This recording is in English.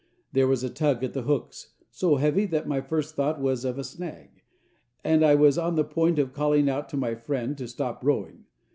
There was a tug at the hooks, so heavy that my first thought was of a snag, and I was on the point of calling out to my friend to stop rowing.